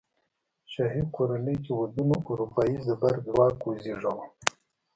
شاهي کورنۍ کې ودونو اروپايي زبرځواک وزېږاوه.